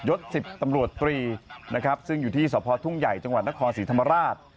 ศ๑๐ตำรวจตรีนะครับซึ่งอยู่ที่สภทุ่งใหญ่จังหวัดนครศรีธรรมราช